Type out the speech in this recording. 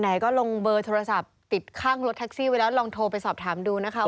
ไหนก็ลงเบอร์โทรศัพท์ติดข้างรถแท็กซี่ไว้แล้วลองโทรไปสอบถามดูนะคะ